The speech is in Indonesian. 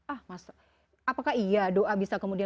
ah mas apakah iya doa bisa kemudian